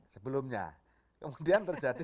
sebelumnya kemudian terjadi